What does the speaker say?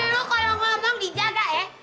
lu kalau ngomong dijaga ya